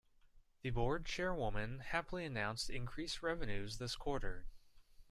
The board chairwoman happily announced increased revenues this quarter.